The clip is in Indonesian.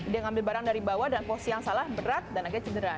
dia ngambil barang dari bawah dan posisi yang salah berat dan akhirnya cedera